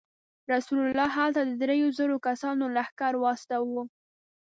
رسول الله هلته د درې زرو کسانو لښکر واستاوه.